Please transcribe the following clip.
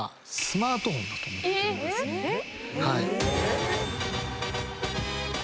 えっ⁉